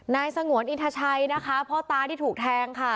สงวนอินทชัยนะคะพ่อตาที่ถูกแทงค่ะ